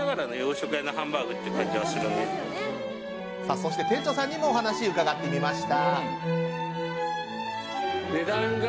そして、店長さんにもお話伺ってきました。